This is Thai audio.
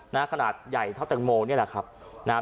นะขนาดใหญ่เท่าแต่โมงนี้แหละครับนะ